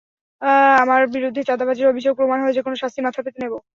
আমার বিরুদ্ধে চাঁদাবাজির অভিযোগ প্রমাণ হলে যেকোনো শাস্তি মাথা পেতে নেব।